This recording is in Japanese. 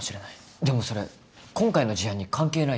でもそれ今回の事案に関係ないだろ。